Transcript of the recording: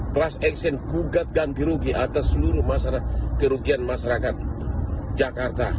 kelas eksen gugat ganti rugi atas seluruh masyarakat kerugian masyarakat jakarta